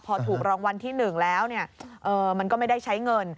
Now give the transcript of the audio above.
พอถูกรางวัลที่๑แล้วมันก็ไม่ได้ใช้เงิน